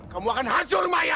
kamu akan hancur maya